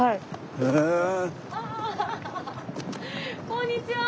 ・こんにちは！